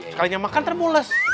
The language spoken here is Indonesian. sekalinya makan terbules